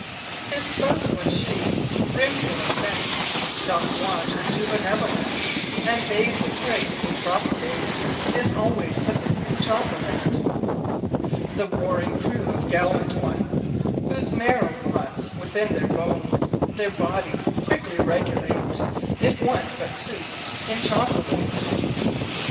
His Spouse when she (Brimfull of Sense) Doth want her due Benevolence, And Babes of Grace would Propagate, Is alwayes Sipping Chocolate. The Roaring Crew of Gallant Ones Whose Marrow Rotts within their Bones: Their Bodyes quickly Regulate, If once but Sous'd in Chocolate.